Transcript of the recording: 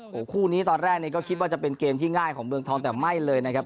โอ้โหคู่นี้ตอนแรกเนี่ยก็คิดว่าจะเป็นเกมที่ง่ายของเมืองทองแต่ไม่เลยนะครับ